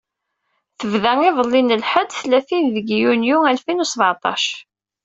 Tebda iḍelli n lḥedd, tlatin deg yunyu alfin u seεṭac.